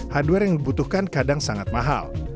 hardware yang dibutuhkan kadang sangat mahal